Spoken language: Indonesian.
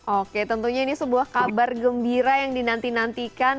oke tentunya ini sebuah kabar gembira yang dinantikan